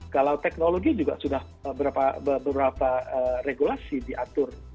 kalau teknologi juga sudah beberapa regulasi diatur